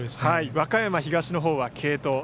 和歌山東のほうは継投。